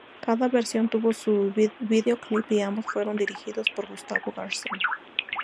Cada versión tuvo su vídeo clip y ambos fueron dirigidos por Gustavo Garzón.